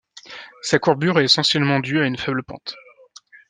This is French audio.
Sa courbure est essentiellement due à une faible pente.